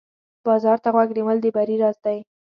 بازار ته غوږ نیول د بری راز دی.